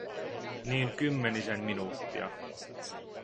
Niin kymmenisen minuuttia.